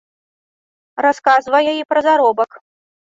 Расказвае і пра заробак.